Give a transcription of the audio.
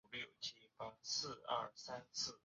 本代是洛克人元祖系列的第四作。